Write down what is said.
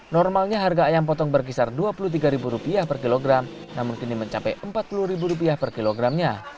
normalnya harga ayam potong berkisar rp dua puluh tiga per kilogram namun kini mencapai rp empat puluh per kilogramnya